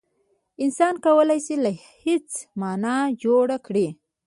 انسان کولای شي له هېڅه مانا جوړ کړي.